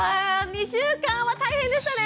２週間は大変でしたね。